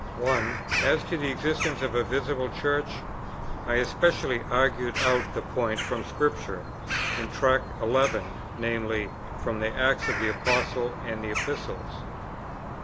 (1) As to the existence of a visible Church, I especially argued out the point from Scripture, in Tract 11, viz. from the Acts of the Apostles and the Epistles.